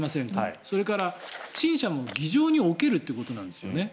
それから陳謝も議場におけるということなんですよね。